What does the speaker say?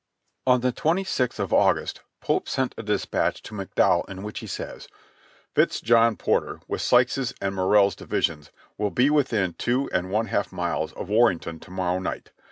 On the 26th of August Pope sent a dispatch to McDowell in which he says : "Fitz John Porter, with Sykes's and Morrell's divis ions, will be within two and one half miles of Warrenton to mor row night.